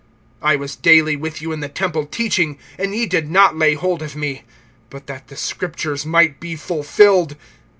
(49)I was daily with you in the temple teaching, and ye did not lay hold of me; but that the Scriptures might be fulfilled!